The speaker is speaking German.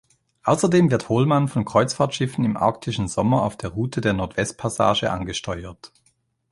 Außerdem wird Holman von Kreuzfahrtschiffen im arktischen Sommer auf der Route der Nordwestpassage angesteuert.